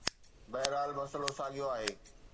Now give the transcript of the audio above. بهرحال، مسئلو ساڳيو آهي.